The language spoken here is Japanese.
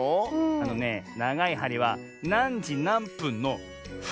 あのねながいはりはなんじなんぷんの「ふん」のぶぶんだね。